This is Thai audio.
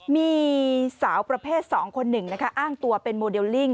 มีสาวประเภท๒คน๑อ้างตัวเป็นโมเดลลิ่ง